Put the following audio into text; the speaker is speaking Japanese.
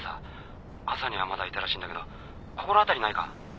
朝にはまだいたらしいんだけど心当たりないか？